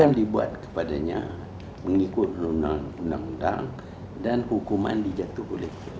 itu bukan dibuat kepadanya mengikut undang undang dan hukuman dijatuhkan oleh budi